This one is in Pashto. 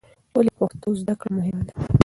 ولې پښتو زده کړه مهمه ده؟